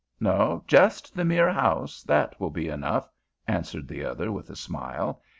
"No, just the mere house. That will be enough," answered the other with a smile.